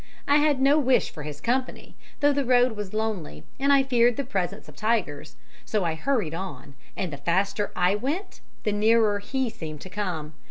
I had no wish for his company, though the road was lonely, and I feared the presence of tigers, so I hurried on, and the faster I went, the nearer he seemed to come.